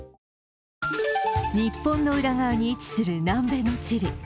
日本の裏側に位置する南米のチリ。